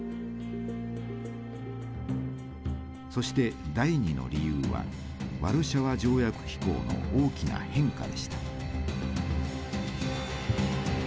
そして第２の理由はワルシャワ条約機構の大きな変化でした。